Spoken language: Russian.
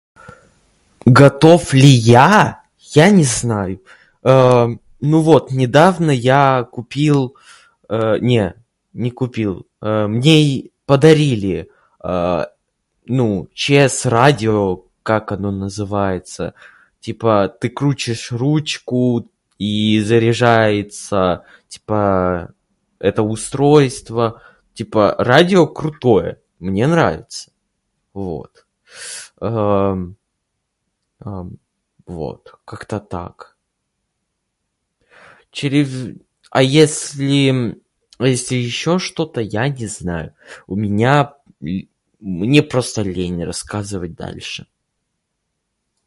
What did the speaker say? Готов ли я? Я не знаю. [disfluency|Э], ну вот недавно я купил. [disfluency|Э-э], не. Не купил. [disfluency|э], мне подарили, [disfluency|э], ну, ЧС-радио. Как оно называется? Типо ты крутишь ручку, и заряжается типо это устройство. Типо радио крутое, мне нравится. Вот. [disfluency|Эм... ам...], вот, как-то так. Через а если... а если ещё что-то, я не знаю. У меня л-... Мне просто лень рассказывать дальше.